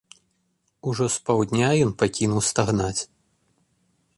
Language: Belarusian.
Ужо з паўдня ён пакінуў стагнаць.